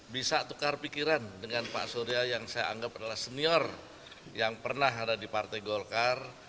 bisa tukar pikiran dengan pak surya yang saya anggap adalah senior yang pernah ada di partai golkar